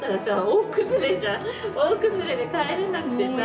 大崩れで帰れなくてさ。